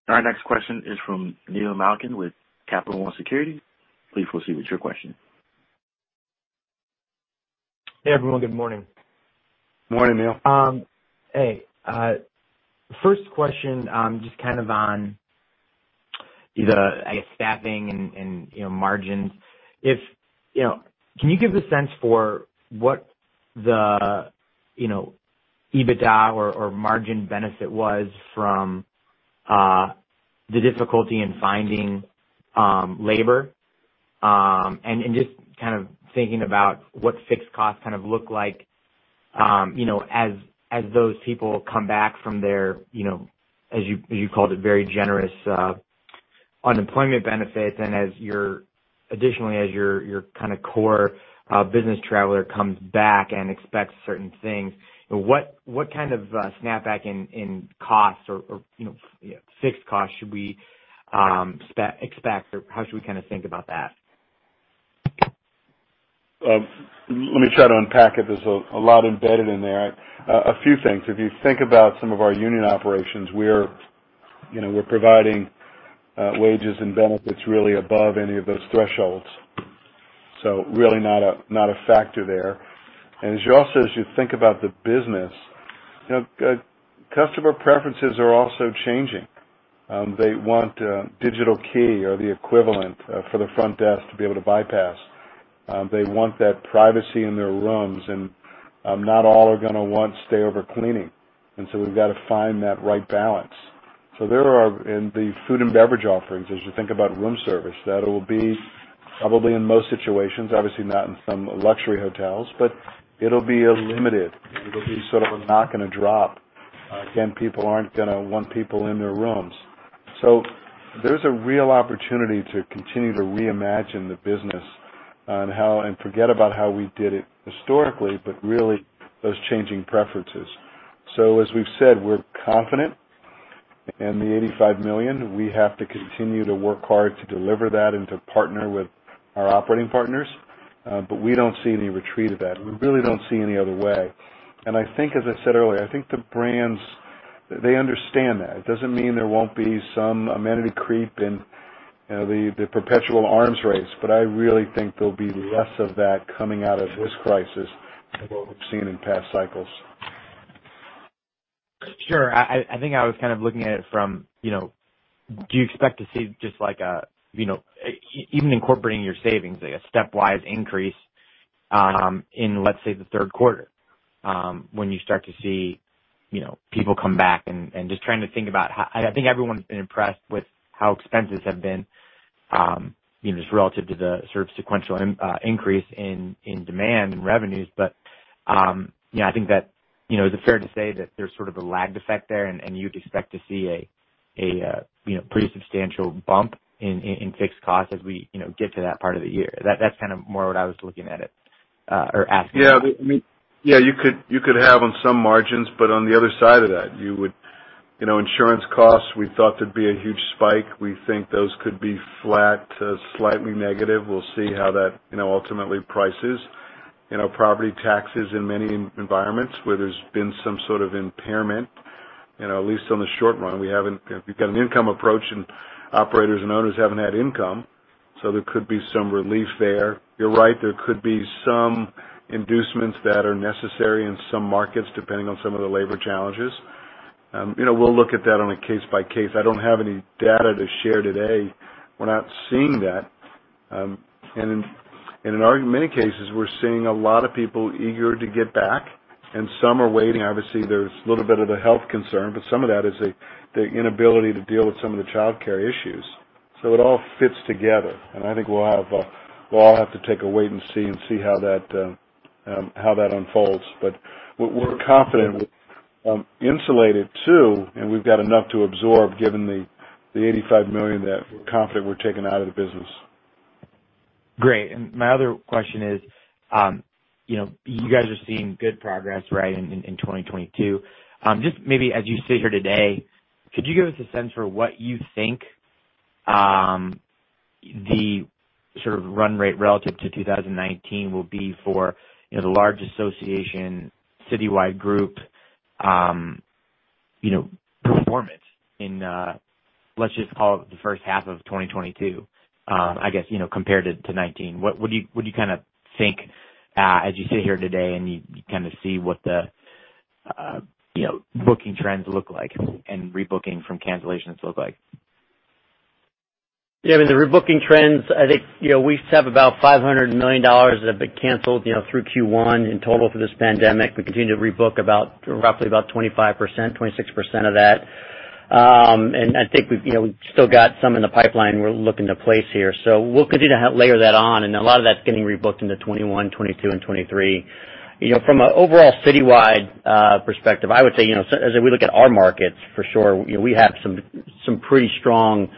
Our next question is from Neil Malkin with Capital One Securities. Please proceed with your question. Hey, everyone. Good morning. Morning, Neil. Hey. First question, just on either, I guess, staffing and margins. Can you give a sense for what the EBITDA or margin benefit was from the difficulty in finding labor? Just thinking about what fixed costs look like as those people come back from their, as you called it, very generous unemployment benefits and additionally as your core business traveler comes back and expects certain things. What kind of snapback in costs or fixed costs should we expect, or how should we think about that? Let me try to unpack it. There's a lot embedded in there. A few things. If you think about some of our union operations, we're providing wages and benefits really above any of those thresholds. Really not a factor there. Also, as you think about the business, customer preferences are also changing. They want digital key or the equivalent for the front desk to be able to bypass. They want that privacy in their rooms, and not all are going to want stayover cleaning. We've got to find that right balance. The food and beverage offerings, as you think about room service, that will be probably in most situations, obviously not in some luxury hotels, but it'll be limited. It'll be sort of a knock and a drop. Again, people aren't going to want people in their rooms. There's a real opportunity to continue to reimagine the business and forget about how we did it historically, but really those changing preferences. As we've said, we're confident in the $85 million. We have to continue to work hard to deliver that and to partner with our operating partners. We don't see any retreat of that. We really don't see any other way. I think, as I said earlier, I think the brands, they understand that. It doesn't mean there won't be some amenity creep in the perpetual arms race, but I really think there'll be less of that coming out of this crisis than what we've seen in past cycles. Sure. I think I was looking at it from, do you expect to see just like even incorporating your savings, a stepwise increase in, let's say, the third quarter, when you start to see people come back and just trying to think about how I think everyone's been impressed with how expenses have been, just relative to the sort of sequential increase in demand and revenues. I think that, is it fair to say that there's sort of a lag effect there and you'd expect to see a pretty substantial bump in fixed costs as we get to that part of the year? That's more what I was looking at it or asking about. Yeah. You could have on some margins, on the other side of that, insurance costs, we thought there'd be a huge spike. We think those could be flat to slightly negative. We'll see how that ultimately prices. Property taxes in many environments where there's been some sort of impairment, at least on the short run. If you've got an income approach and operators and owners haven't had income, there could be some relief there. You're right, there could be some inducements that are necessary in some markets, depending on some of the labor challenges. We'll look at that on a case by case. I don't have any data to share today. We're not seeing that. In many cases, we're seeing a lot of people eager to get back, and some are waiting. Obviously, there's a little bit of a health concern, but some of that is the inability to deal with some of the childcare issues. It all fits together, and I think we'll all have to take a wait and see and see how that unfolds. We're confident. We're insulated too, and we've got enough to absorb given the $85 million that we're confident we're taking out of the business. Great. My other question is, you guys are seeing good progress, right, in 2022. Just maybe as you sit here today, could you give us a sense for what you think the run rate relative to 2019 will be for the large association citywide group performance in Let's just call it the first half of 2022, I guess, compared to 2019. What do you think as you sit here today and you see what the booking trends look like and rebooking from cancellations look like? The rebooking trends, I think, we have about $500 million that have been canceled through Q1 in total for this pandemic. We continue to rebook roughly about 25%, 26% of that. I think we've still got some in the pipeline we're looking to place here. We'll continue to layer that on, and a lot of that's getting rebooked into 2021, 2022, and 2023. From an overall citywide perspective, I would say, as we look at our markets, for sure, we have some pretty strong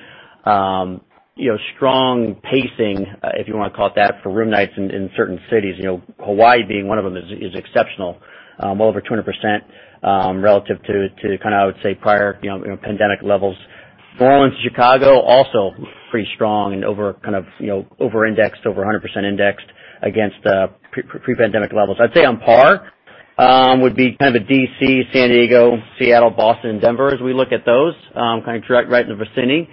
pacing, if you want to call it that, for room nights in certain cities. Hawaii being one of them is exceptional. Well over 200% relative to, I would say, prior pandemic levels. Florence, Chicago, also pretty strong and over 100% indexed against pre-pandemic levels. I'd say on par would be D.C., San Diego, Seattle, Boston, and Denver, as we look at those. Kind of right in the vicinity.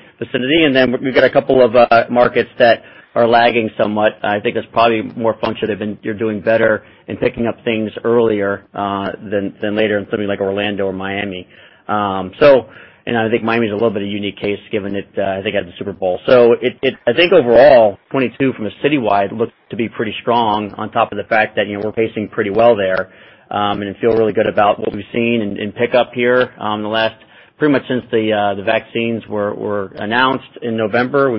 We've got a couple of markets that are lagging somewhat. I think that's probably more function of and you're doing better in picking up things earlier than later in something like Orlando or Miami. I think Miami's a little bit of a unique case given it, I think, has the Super Bowl. I think overall, 2022 from a citywide looks to be pretty strong on top of the fact that we're pacing pretty well there, and feel really good about what we've seen in pickup here pretty much since the vaccines were announced in November.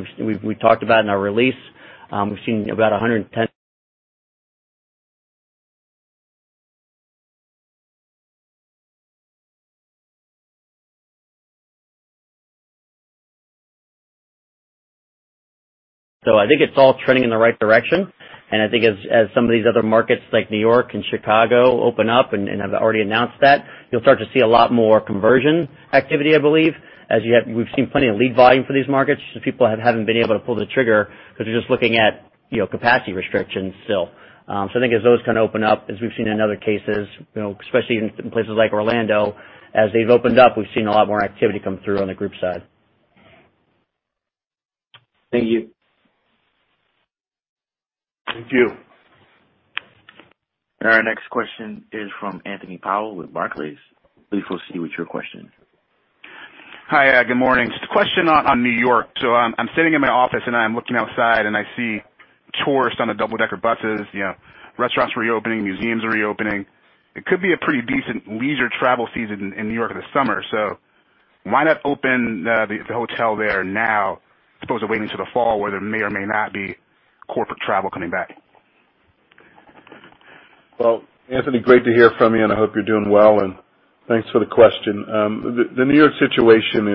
I think it's all trending in the right direction, and I think as some of these other markets like New York and Chicago open up and have already announced that, you'll start to see a lot more conversion activity, I believe, as we've seen plenty of lead volume for these markets. Just people haven't been able to pull the trigger because they're just looking at capacity restrictions still. I think as those open up, as we've seen in other cases, especially in places like Orlando, as they've opened up, we've seen a lot more activity come through on the group side. Thank you. Thank you. Our next question is from Anthony Powell with Barclays. Please proceed with your question. Hi. Good morning. Just a question on New York. I'm sitting in my office, and I'm looking outside, and I see tourists on the double-decker buses, restaurants reopening, museums reopening. It could be a pretty decent leisure travel season in New York this summer. Why not open the hotel there now, as opposed to waiting till the fall where there may or may not be corporate travel coming back? Well, Anthony, great to hear from you, and I hope you're doing well, and thanks for the question. The New York situation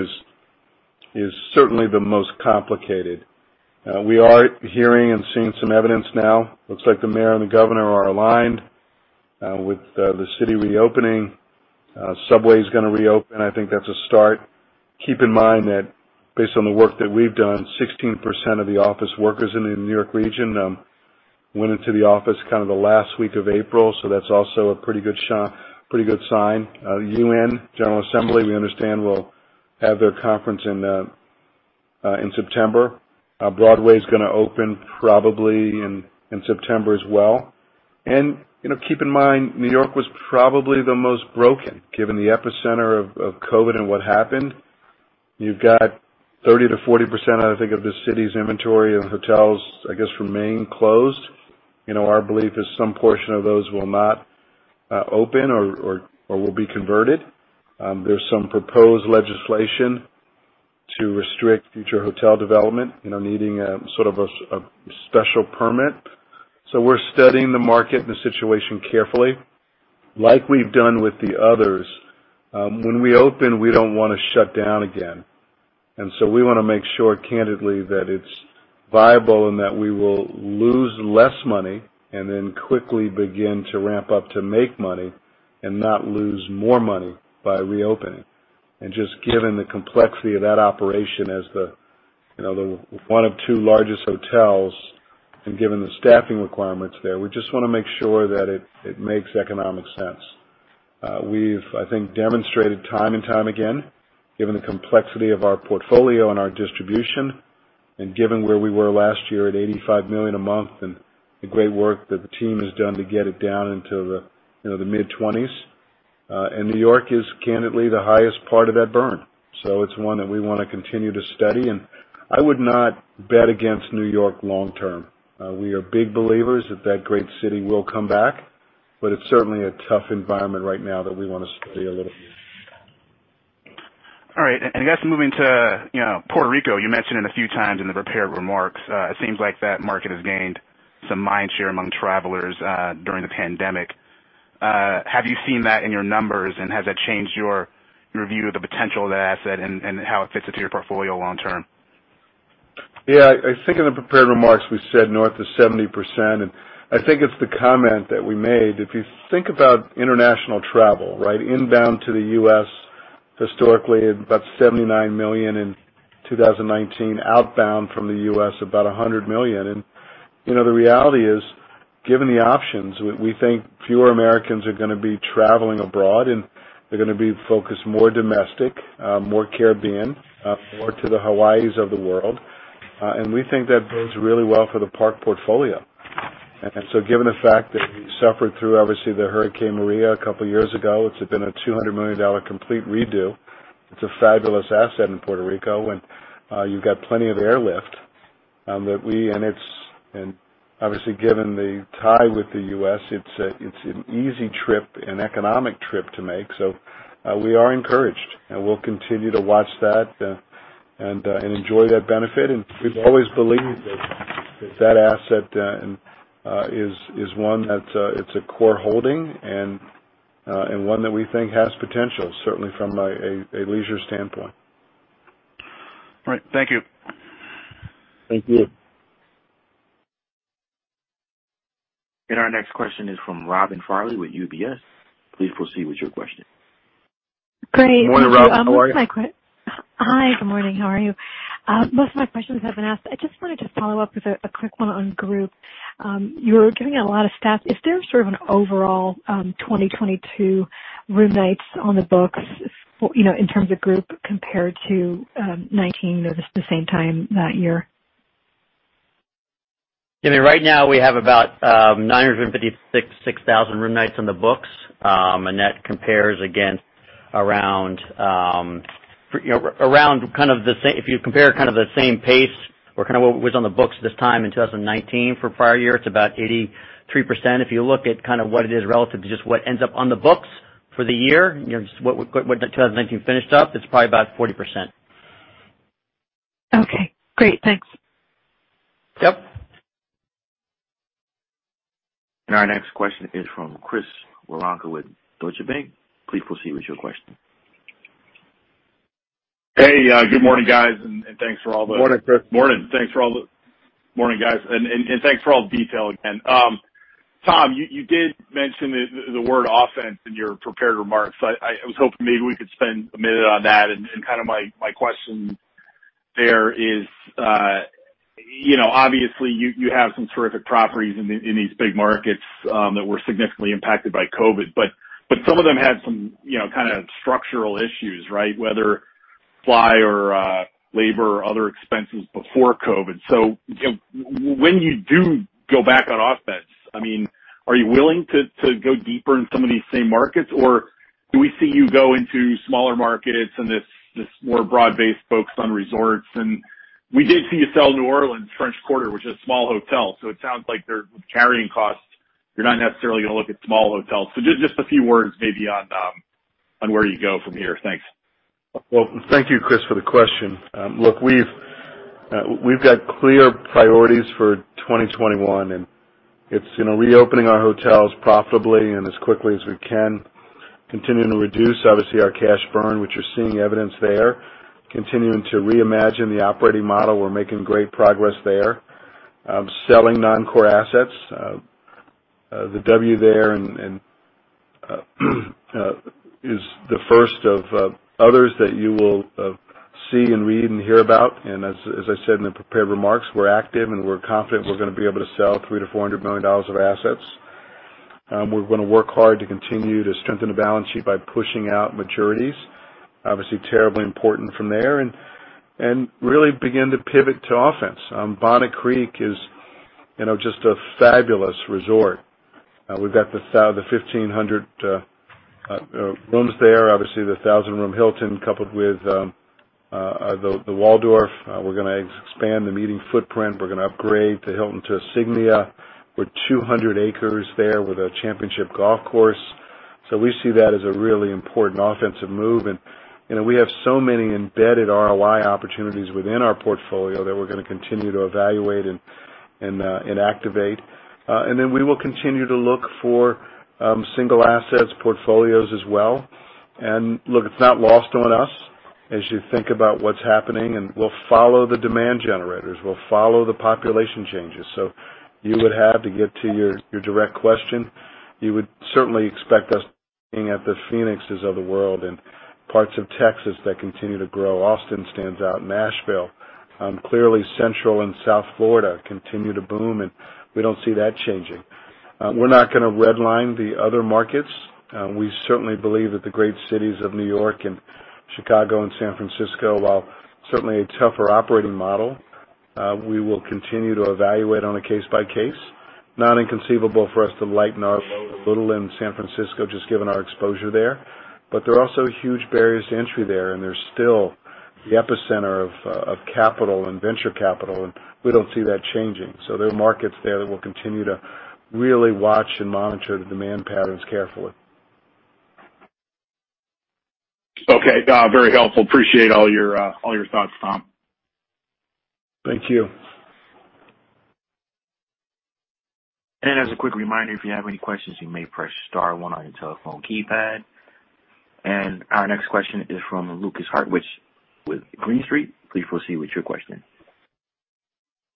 is certainly the most complicated. We are hearing and seeing some evidence now. Looks like the mayor and the governor are aligned with the city reopening. Subway's going to reopen. I think that's a start. Keep in mind that based on the work that we've done, 16% of the office workers in the New York region went into the office the last week of April. That's also a pretty good sign. UN General Assembly, we understand, will have their conference in September. Broadway's going to open probably in September as well. Keep in mind, New York was probably the most broken, given the epicenter of COVID-19 and what happened. You've got 30%-40%, I think of the city's inventory of hotels, I guess, remain closed. Our belief is some portion of those will not open or will be converted. There's some proposed legislation to restrict future hotel development, needing a sort of a special permit. We're studying the market and the situation carefully, like we've done with the others. When we open, we don't want to shut down again. We want to make sure, candidly, that it's viable and that we will lose less money and then quickly begin to ramp up to make money and not lose more money by reopening. Just given the complexity of that operation as the one of two largest hotels and given the staffing requirements there, we just want to make sure that it makes economic sense. We've, I think, demonstrated time and time again, given the complexity of our portfolio and our distribution, and given where we were last year at $85 million a month and the great work that the team has done to get it down into the mid-20s. New York is candidly the highest part of that burn. It's one that we want to continue to study. I would not bet against New York long-term. We are big believers that that great city will come back, but it's certainly a tough environment right now that we want to study a little more. All right. I guess moving to Puerto Rico, you mentioned it a few times in the prepared remarks. It seems like that market has gained some mind share among travelers during the pandemic. Have you seen that in your numbers, and has that changed your view of the potential of that asset and how it fits into your portfolio long-term? Yeah. I think in the prepared remarks, we said north of 70%, and I think it's the comment that we made. If you think about international travel, inbound to the U.S. historically about 79 million in 2019, outbound from the U.S., about 100 million. The reality is, given the options, we think fewer Americans are going to be traveling abroad, and they're going to be focused more domestic, more Caribbean, more to the Hawaiis of the world. We think that bodes really well for the Park portfolio. Given the fact that we suffered through, obviously, the Hurricane Maria a couple years ago, it's been a $200 million complete redo. It's a fabulous asset in Puerto Rico, and you've got plenty of airlift. Obviously, given the tie with the U.S., it's an easy trip, an economic trip to make. We are encouraged, and we'll continue to watch that and enjoy that benefit. We've always believed that that asset is one that's a core holding and one that we think has potential, certainly from a leisure standpoint. All right. Thank you. Thank you. Our next question is from Robin Farley with UBS. Please proceed with your question. Great. Morning, Robin. How are you? Hi, good morning. How are you? Most of my questions have been asked. I just wanted to follow up with a quick one on group. You were giving a lot of stats. Is there an overall 2022 room nights on the books in terms of group compared to 2019, the same time that year? Right now, we have about 956,000 room nights on the books. That compares against around the same pace or what was on the books this time in 2019 for prior year. It's about 83%. If you look at what it is relative to just what ends up on the books for the year, what 2019 finished up, it's probably about 40%. Okay, great. Thanks. Yep. Our next question is from Chris Woronka with Deutsche Bank. Please proceed with your question. Hey, good morning, guys. Morning, Chris. Morning, guys, thanks for all the detail again. Tom, you did mention the word offense in your prepared remarks. I was hoping maybe we could spend a minute on that. My question there is, obviously, you have some terrific properties in these big markets that were significantly impacted by COVID, but some of them had some kind of structural issues, right? Whether fly or labor or other expenses before COVID. When you do go back on offense, are you willing to go deeper in some of these same markets, or do we see you go into smaller markets and this more broad-based focus on resorts? We did see you sell New Orleans French Quarter, which is a small hotel, so it sounds like with carrying costs, you're not necessarily going to look at small hotels. Just a few words maybe on where you go from here. Thanks. Well, thank you, Chris, for the question. Look, we've got clear priorities for 2021, and it's reopening our hotels profitably and as quickly as we can, continuing to reduce, obviously, our cash burn, which you're seeing evidence there, continuing to reimagine the operating model. We're making great progress there. Selling non-core assets. The W there is the first of others that you will see and read and hear about. As I said in the prepared remarks, we're active and we're confident we're going to be able to sell $300 million-$400 million of assets. We're going to work hard to continue to strengthen the balance sheet by pushing out maturities. Obviously, terribly important from there. Really begin to pivot to offense. Bonnet Creek is just a fabulous resort. We've got the 1,500 rooms there, obviously the 1,000-room Hilton coupled with the Waldorf. We're going to expand the meeting footprint. We're going to upgrade the Hilton to a Signia. We're 200 acres there with a championship golf course. We see that as a really important offensive move, and we have so many embedded ROI opportunities within our portfolio that we're going to continue to evaluate and activate. We will continue to look for single assets, portfolios as well. Look, it's not lost on us as you think about what's happening, and we'll follow the demand generators. We'll follow the population changes. You would have to get to your direct question. You would certainly expect us looking at the Phoenixes of the world and parts of Texas that continue to grow. Austin stands out, Nashville. Clearly Central and South Florida continue to boom, and we don't see that changing. We're not going to redline the other markets. We certainly believe that the great cities of New York and Chicago and San Francisco, while certainly a tougher operating model, we will continue to evaluate on a case by case. Not inconceivable for us to lighten our load a little in San Francisco, just given our exposure there. There are also huge barriers to entry there, and they're still the epicenter of capital and venture capital, and we don't see that changing. There are markets there that we'll continue to really watch and monitor the demand patterns carefully. Okay. Very helpful. Appreciate all your thoughts, Tom. Thank you. As a quick reminder, if you have any questions, you may press star one on your telephone keypad. Our next question is from Lukas Hartwich with Green Street. Please proceed with your question.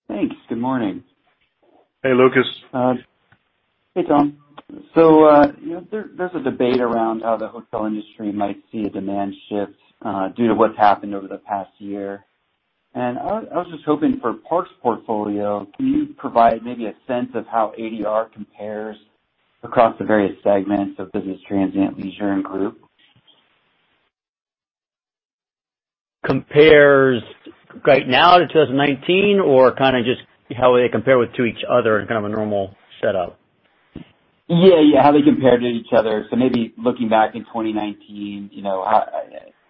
Thanks. Good morning. Hey, Lukas. Hey, Tom. There's a debate around how the hotel industry might see a demand shift due to what's happened over the past year. I was just hoping for Park's portfolio, can you provide maybe a sense of how ADR compares across the various segments of business transient, leisure, and group? Compares right now to 2019 or kind of just how they compare to each other in kind of a normal setup? Yeah. How they compare to each other. Maybe looking back in 2019,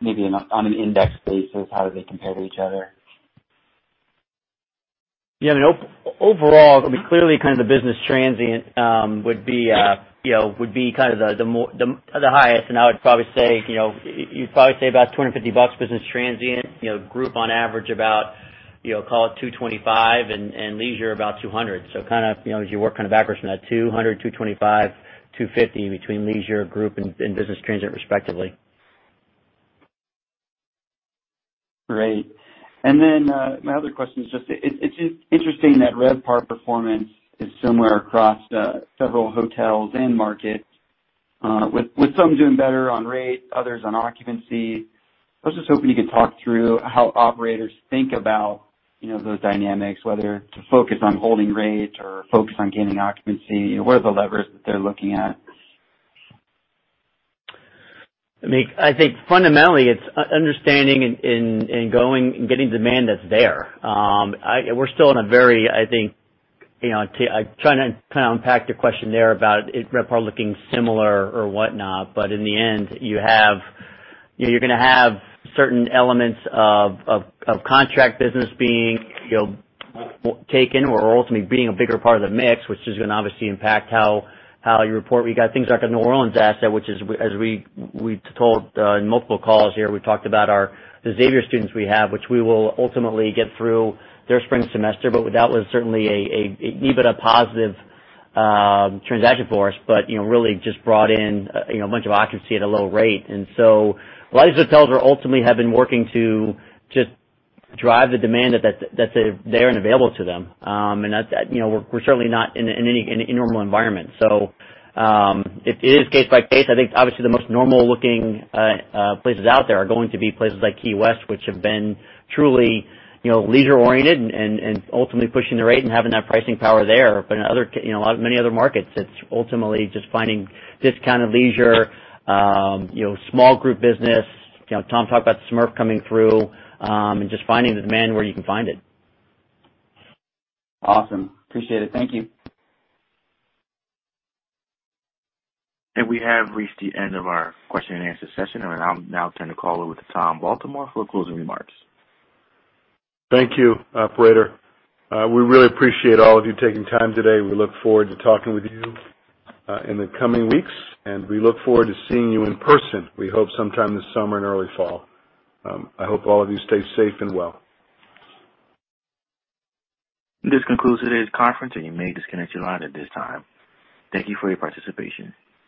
maybe on an index basis, how do they compare to each other? Yeah, I mean, overall, I mean, clearly kind of the business transient would be the highest, and I would probably say about $250 business transient. Group on average about, call it $225, and leisure about $200. Kind of as you work kind of backwards from that, $200, $225, $250 between leisure, group, and business transient respectively. Great. My other question is just, it's interesting that RevPAR performance is similar across several hotels and markets, with some doing better on rate, others on occupancy. I was just hoping you could talk through how operators think about those dynamics, whether to focus on holding rate or focus on gaining occupancy. What are the levers that they're looking at? I think fundamentally it's understanding and getting demand that's there. We're still in a very, I think I'm trying to kind of unpack the question there about RevPAR looking similar or whatnot. In the end, you're going to have certain elements of contract business being taken or ultimately being a bigger part of the mix, which is going to obviously impact how you report. We got things like our New Orleans asset, which as we've told in multiple calls here, we've talked about our Xavier students we have, which we will ultimately get through their spring semester. That was certainly an EBITDA positive transaction for us. Really just brought in a bunch of occupancy at a low rate. A lot of these hotels ultimately have been working to just drive the demand that's there and available to them. We're certainly not in any normal environment. It is case by case. I think obviously the most normal looking places out there are going to be places like Key West, which have been truly leisure-oriented and ultimately pushing the rate and having that pricing power there. In many other markets, it's ultimately just finding discounted leisure, small group business. Tom talked about the SMERF coming through, and just finding the demand where you can find it. Awesome. Appreciate it. Thank you. We have reached the end of our question and answer session, and I'll now turn the call over to Tom Baltimore for closing remarks. Thank you, operator. We really appreciate all of you taking time today. We look forward to talking with you in the coming weeks. We look forward to seeing you in person, we hope sometime this summer and early fall. I hope all of you stay safe and well. This concludes today's conference, and you may disconnect your line at this time. Thank you for your participation.